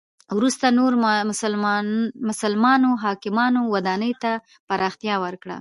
وروسته نورو مسلمانو حاکمانو ودانی ته پراختیا ورکړه.